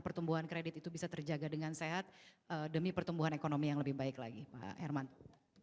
pertumbuhan kredit itu bisa terjaga dengan sehat demi pertumbuhan ekonomi yang lebih baik lagi pak hermanto